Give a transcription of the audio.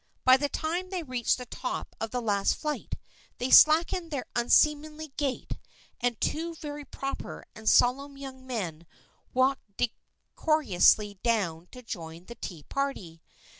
By the time they reached the top of the last flight they slackened their unseemly gait and two very proper and solemn young men walked decorously down to join the tea party.